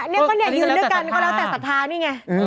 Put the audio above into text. นี่ก็เนี่ยยืนด้วยกันแล้วแต่สถานี่ไง